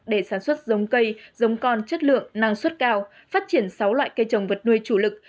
để sản xuất giống cây giống con chất lượng năng suất cao phát triển sáu loại cây trồng vật nuôi chủ lực